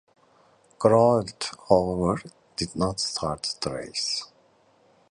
Grouillard however, did not start the race.